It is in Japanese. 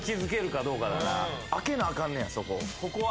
開けなあかんねやそこ。